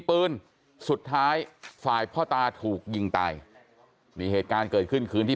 ปืนสุดท้ายฝ่ายพ่อตาถูกยิงตายนี่เหตุการณ์เกิดขึ้นคืนที่